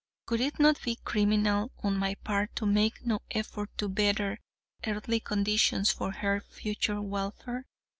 Would it not be criminal on my part to make no effort to better earthly conditions for her future welfare?